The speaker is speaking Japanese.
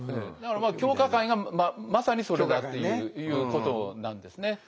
だからまあ狂歌会がまさにそれだっていうことなんですね。